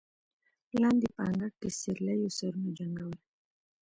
لاندې په انګړ کې سېرليو سرونه جنګول.